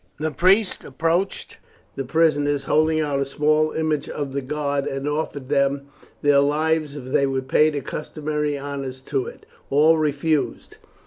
The priest approached the prisoners, holding out a small image of the god, and offered them their lives if they would pay the customary honours to it. All refused.